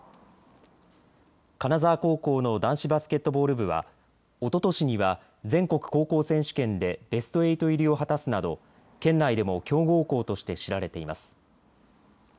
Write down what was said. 金沢高校の男子バスケットボール部はおととしには全国高校選手権でベスト８入りを果たすなど県内でも強豪校として知られています。